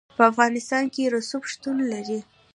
په افغانستان کې رسوب شتون لري.